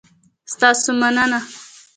ستاسو مننه؟